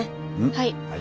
はい。